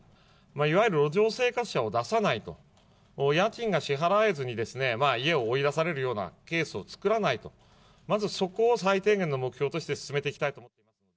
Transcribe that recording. いわゆる路上生活者を出さないと、家賃が支払えずに家を追い出されるようなケースを作らないと、まずそこを最低限の目標として進めていきたいと。